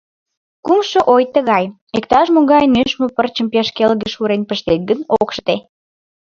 Кумшо ой тыгай: иктаж-могай нӧшмӧ пырчым пеш келгыш урен пыштет гын, ок шыте.